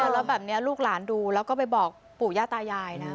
แล้วแบบนี้ลูกหลานดูแล้วก็ไปบอกปู่ย่าตายายนะ